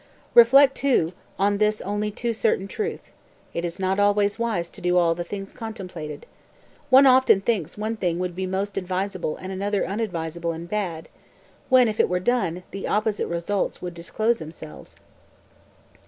202. "Reflect, too, on this only too certain truth: it is not always wise to do all the things contemplated. Often one thinks one thing would be most advisable and another unadvisable and bad, when, if it were done, the opposite results would disclose themselves."